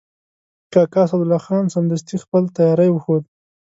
کاکا اسدالله خان سمدستي خپل تیاری وښود.